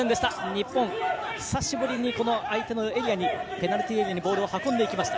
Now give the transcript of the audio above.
日本、久しぶりに相手のペナルティーエリアにボールを運んでいきました。